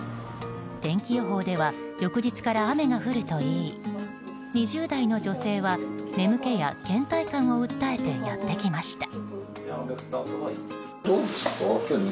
天気予報では翌日から雨が降るといい２０代の女性は眠気や倦怠感を訴えてやってきました。